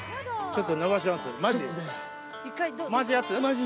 マジ？